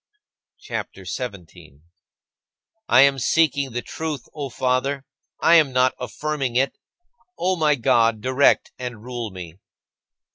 CHAPTER XVII 22. I am seeking the truth, O Father; I am not affirming it. O my God, direct and rule me.